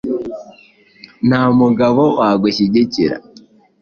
Nta mugabo wagushyigikira :